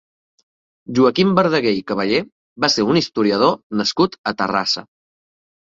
Joaquim Verdaguer i Caballé va ser un historiador nascut a Terrassa.